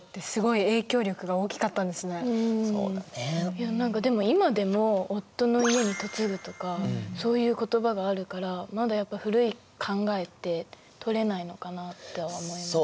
いや何かでも今でも「夫の家に嫁ぐ」とかそういう言葉があるからまだやっぱ古い考えって取れないのかなって思います。